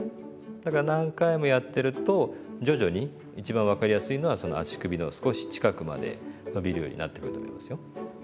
だから何回もやってると徐々に一番分かりやすいのはその足首の少し近くまで伸びるようになってくると思いますよ。